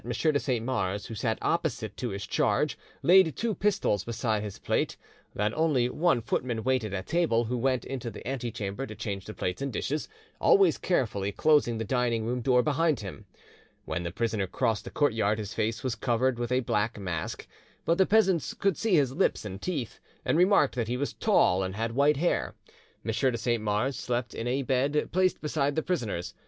de Saint Mars, who sat opposite to his charge, laid two pistols beside his plate; that only one footman waited at table, who went into the antechamber to change the plates and dishes, always carefully closing the dining room door behind him. When the prisoner crossed the courtyard his face was covered with a black mask, but the peasants could see his lips and teeth, and remarked that he was tall, and had white hair. M. de Saint Mars slept in a bed placed beside the prisoner's.